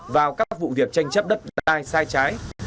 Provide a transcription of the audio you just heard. vào các vụ việc tranh chấp đất đai sai trái